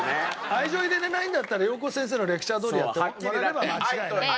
愛情入れられないんだったらようこ先生のレクチャーどおりやってもらえれば間違いない。